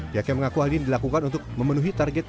pihak yang mengaku hal ini dilakukan untuk memenuhi target